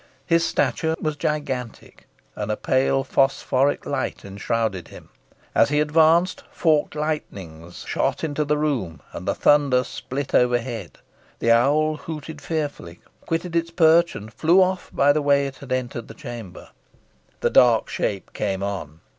His stature was gigantic, and a pale phosphoric light enshrouded him. As he advanced, forked lightnings shot into the room, and the thunder split overhead. The owl hooted fearfully, quitted its perch, and flew off by the way it had entered the chamber. The Dark Shape came on.